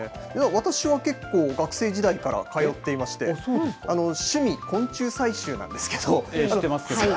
私は結構、学生時代から通っていまして、趣味、昆虫採集なんです知ってますけれども。